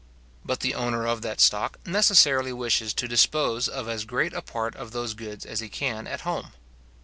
But the owner of that stock necessarily wishes to dispose of as great a part of those goods as he can at home.